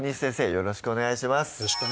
よろしくお願いします